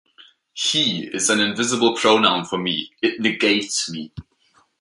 'He' is an invisible pronoun for me, it negates me.